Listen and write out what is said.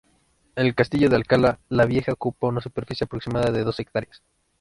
El castillo de Alcalá la Vieja ocupaba una superficie aproximada de dos hectáreas.